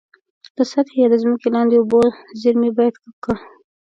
د سطحي یا د ځمکي لاندي اوبو زیرمي باید ککړ.